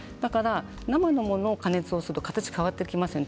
生のものは加熱をすると形が変わってきますよね